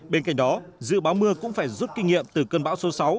bên cạnh đó dự báo mưa cũng phải rút kinh nghiệm từ cơn bão số sáu